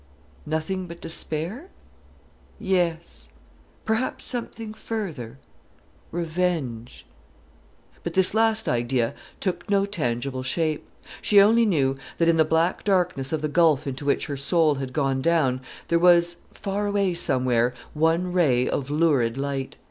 Nothing but despair? Yes; perhaps something further, revenge. But this last idea took no tangible shape. She only knew that, in the black darkness of the gulf into which her soul had gone down, there was, far away somewhere, one ray of lurid light.